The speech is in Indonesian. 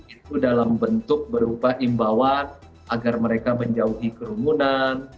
itu dalam bentuk berupa imbauan agar mereka menjauhi kerumunan